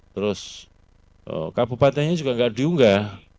terus kabupatenya juga enggak diunggah